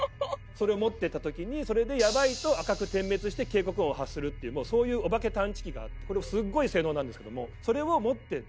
それを持っていった時にそれでやばいと赤く点滅して警告音を発するっていうそういうおばけ探知機があってこれすごい性能なんですけどもそれを持っていって。